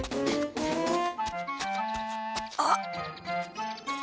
あっ。